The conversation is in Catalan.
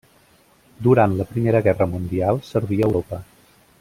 Durant la Primera Guerra Mundial serví a Europa.